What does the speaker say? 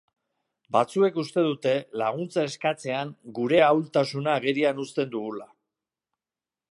Batzuek uste dute laguntza eskatzean gure ahultasuna agerian uzten dugula.